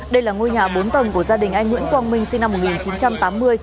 đây là ngôi nhà bốn tầng của gia đình anh nguyễn quang minh sinh năm một nghìn chín trăm tám mươi